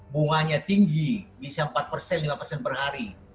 bunganya tinggi bisa empat persen lima persen per hari